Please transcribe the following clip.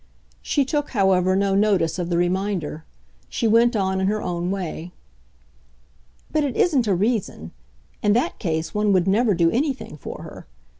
She took, however, no notice of the reminder; she went on in her own way. "But it isn't a reason. In that case one would never do anything for her.